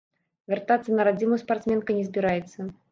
Вяртацца на радзіму спартсменка не збіраецца.